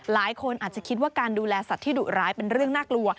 หลายคนอาจจะคิดว่าการดูแลสัตว์ที่ดุร้ายเป็นเรื่องน่ากลัว